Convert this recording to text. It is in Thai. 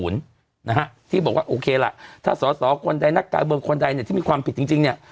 นะฮะที่บอกว่าโอเคล่ะถ้าสอสอคนใดนักการเมืองคนใดเนี่ยที่มีความผิดจริงเนี่ย